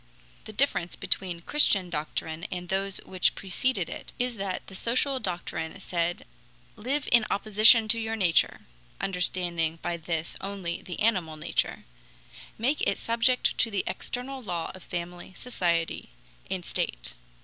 The difference between the Christian doctrine and those which preceded it is that the social doctrine said: "Live in opposition to your nature [understanding by this only the animal nature], make it subject to the external law of family, society, and state."